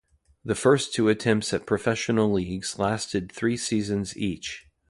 The first two attempts at professional leagues lasted three seasons each.